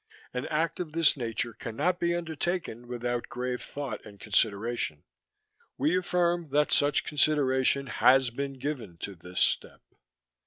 An act of this nature cannot be undertaken without grave thought and consideration. We affirm that such consideration has been given to this step.